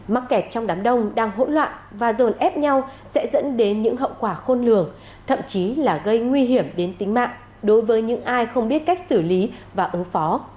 mắc kẹt trong đám đông đang hỗn loạn và dồn ép nhau sẽ dẫn đến những hậu quả khôn lường thậm chí là gây nguy hiểm đến tính mạng đối với những ai không biết cách xử lý và ứng phó